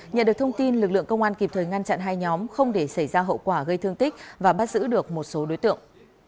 nhận được thông tin lực lượng công an kịp thời ngăn chặn hai nhóm không để xảy ra hậu quả gây thương tích và bắt giữ được một số đối tượng